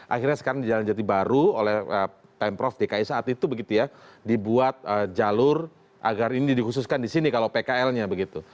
akhirnya sekarang di jalan jati baru oleh pm prof dki saat itu begitu ya dibuat jalur agar ini di khususkan di sini kalau pkr nya begitu